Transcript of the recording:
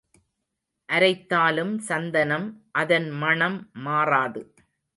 அரைத்தாலும் சந்தனம் அதன்மணம் மாறாது.